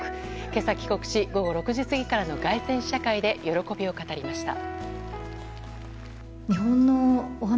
今朝、帰国し午後６時過ぎからの凱旋試写会で喜びを語りました。